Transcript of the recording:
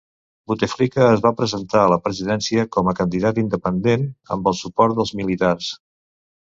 Bouteflika es va presentar a la presidència com a candidat independent, amb el suport dels militars.